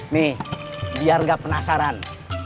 nih biar nggak penasaran